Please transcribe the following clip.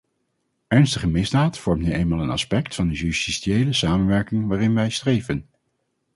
Ernstige misdaad vormt nu eenmaal een aspect van de justitiële samenwerking waarin wij streven.